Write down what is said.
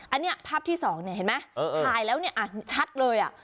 อันนี้ภาพที่๒เห็นมั้ยถ่ายแล้วชัดเลย